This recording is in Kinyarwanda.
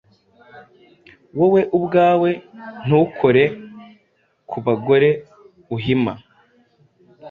Wowe ubwawe ntukore ku bagore, uhima